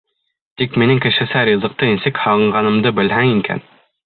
Тик минең кешесә ризыҡты нисек һағынғанымды белһәң икән?